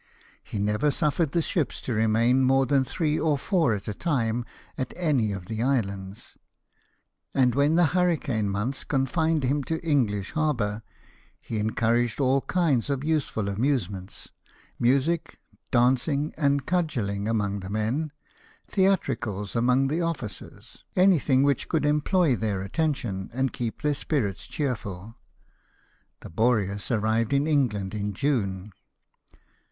He never suffered the ships to remain more than three or four at a time at any of the islands; and when the hurricane months confined him to English Harbour, he encouraged all kinds of useful amuse ments : music, dancing, and cudgelling among the men ; theatricals among the officers — anything which could employ their attention and keep then spirits cheerful. The Borecis arrived in England in June.